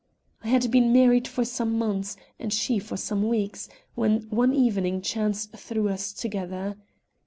I had been married for some months and she for some weeks, when one evening chance threw us together.